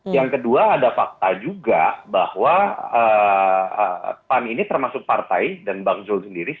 yang kedua ada fakta juga bahwa pan ini termasuk partai dan bang zul sendiri